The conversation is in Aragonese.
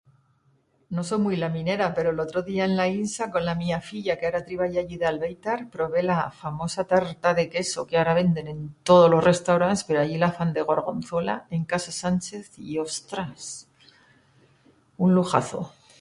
No so muit laminera, pero l'otro día en l'Aínsa con la mía filla que agora triballa allí d'albéitar probé la famosa tarta de queso que agora venden en todos los restaurants, pero allí la fan de gorgonzola, en Casa Sánchez y ostrás, un lujazo.